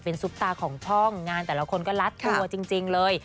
ซุปตาของท่องงานแต่ละคนก็ลัดตัวจริงเลย